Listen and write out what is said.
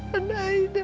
makasih pak haidam